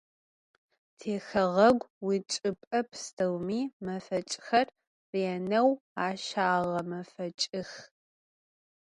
Tixeğegu yiçç'ıp'e psteumi mefeç'xer rêneu aşağemefeç'ıx.